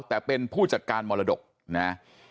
แต่เป็นผู้จัดการมรดกนะ